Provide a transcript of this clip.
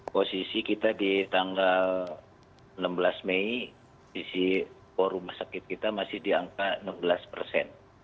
posisi kita di tanggal enam belas mei sisi rumah sakit kita masih di angka enam belas persen